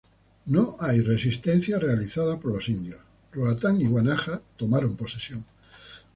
No hay resistencia realizados por los indios, Roatán y Guanaja se tomaron posesión.